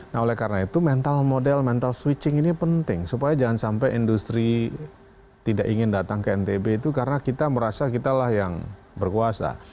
nah oleh karena itu mental model mental switching ini penting supaya jangan sampai industri tidak ingin datang ke ntb itu karena kita merasa kitalah yang berkuasa